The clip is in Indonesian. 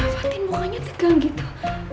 fatin mukanya tegang gitu